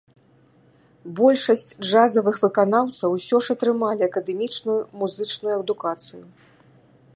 Большасць джазавых выканаўцаў усё ж атрымалі акадэмічную музычную адукацыю.